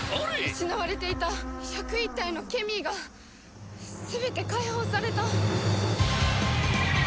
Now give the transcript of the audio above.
失われていた１０１体のケミーが全て解放された！